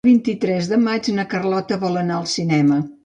El vint-i-tres de maig na Carlota vol anar al cinema.